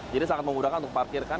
jadi sangat memudahkan untuk parkir kan